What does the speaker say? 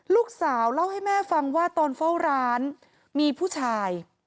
ลูกสาวเล่าให้แม่ฟังว่าตอนเฝ้าร้านมีผู้ชาย